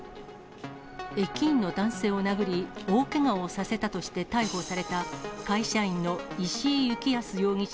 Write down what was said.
駅員の男性を殴り、大けがをさせたとして逮捕された、会社員の石井幸康容疑者